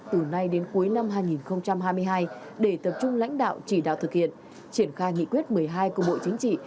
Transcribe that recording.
từ nay đến cuối năm hai nghìn hai mươi hai để tập trung lãnh đạo chỉ đạo thực hiện triển khai nghị quyết một mươi hai của bộ chính trị